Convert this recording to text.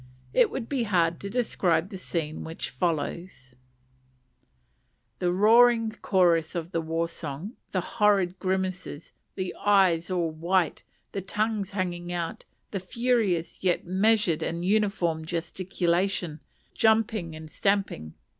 It would be hard to describe the scene which followed. The roaring chorus of the war song; the horrid grimaces; the eyes all white; the tongues hanging out; the furious, yet measured, and uniform gesticulation, jumping, and stamping.